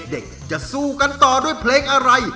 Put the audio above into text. เด็กจะสู้กันต่อด้วยเพลงอะไร